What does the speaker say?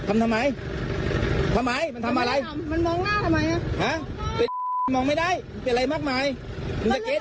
มีคลิปออกมาซึ่งเชื่อว่าคนคุณผู้ชมไปดูคลิปที่เกิดเหตุกันก่อนค่ะ